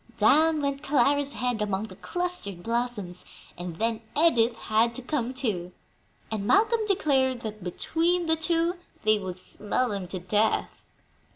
Down went Clara's head among the clustered blossoms, and then Edith had to come too; and Malcolm declared that between the two they would smell them to death.